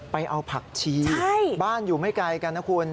ไปเอาผักชีบ้านอยู่ไม่ไกลกันนะคุณ